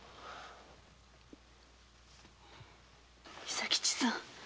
伊佐吉さん